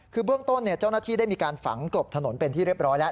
คือเบื้องต้นเจ้าหน้าที่ได้มีการฝังกลบถนนเป็นที่เรียบร้อยแล้ว